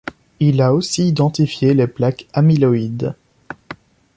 Il a aussi identifié les plaques amyloïdes.